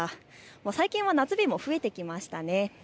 最近は夏日も増えてきましたね。